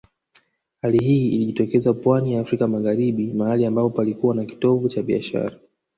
Hali hii ilijitokeza pwani ya Afrika Magharibi mahali ambapo palikuwa ndio kitovu cha biashara